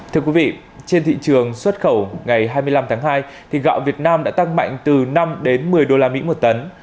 thưa quý vị trên thị trường xuất khẩu ngày hai mươi năm tháng hai thì gạo việt nam đã tăng mạnh từ năm đến một mươi usd một tấn